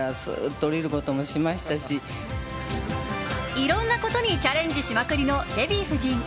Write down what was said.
いろんなことにチャレンジしまくりのデヴィ夫人。